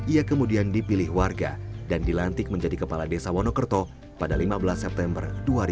ia kemudian dipilih warga dan dilantik menjadi kepala desa wonokerto pada lima belas september dua ribu dua puluh